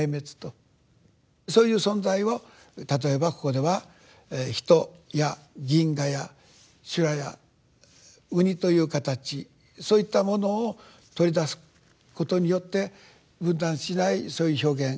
そういう存在を例えばここでは人や銀河や修羅や海胆という形そういったものを取り出すことによって分断しないそういう表現。